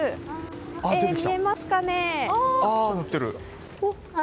見えますかね？